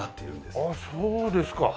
あっそうですか。